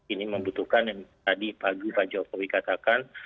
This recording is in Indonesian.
ini membutuhkan yang tadi pagi pak jokowi katakan